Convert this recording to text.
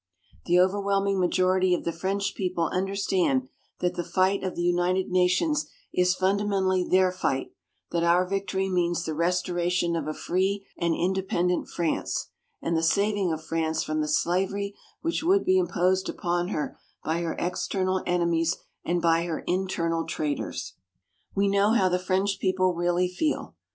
The overwhelming majority of the French people understand that the fight of the United Nations is fundamentally their fight, that our victory means the restoration of a free and independent France and the saving of France from the slavery which would be imposed upon her by her external enemies and by her internal traitors. We know how the French people really feel.